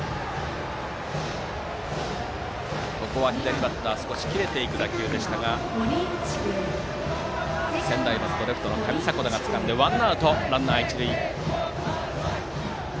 左バッターの少し切れていく打球でしたが専大松戸のレフト上迫田がつかんでワンアウトランナー、一塁。